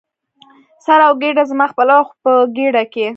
سر او ګېډه زما خپله وه، خو په ګېډه کې.